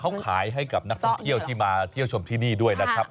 เขาขายให้กับนักท่องเที่ยวที่มาเที่ยวชมที่นี่ด้วยนะครับ